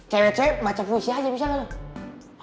cewek cewek baca puisi aja bisa nggak tuh